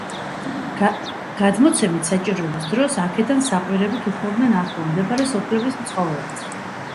გადმოცემით, საჭიროების დროს აქედან საყვირებით უხმობდნენ ახლო მდებარე სოფლების მცხოვრებთ.